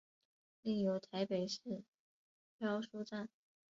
另有台北市漂书站。